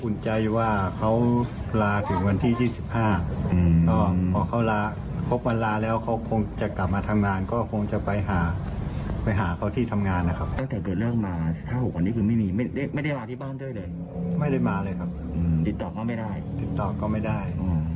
ไม่ได้มาเลยครับติดต่อก็ไม่ได้ติดต่อก็ไม่ได้